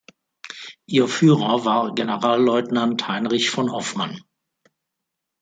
Ihr Führer war Generalleutnant Heinrich von Hofmann.